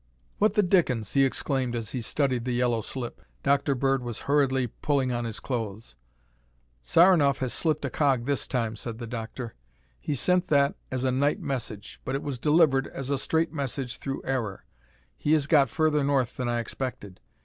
"What the dickens?" he exclaimed as he studied the yellow slip. Dr. Bird was hurriedly pulling on his clothes. "Saranoff has slipped a cog this time," said the doctor. "He sent that as a night message, but it was delivered as a straight message through error. He has got further north than I expected.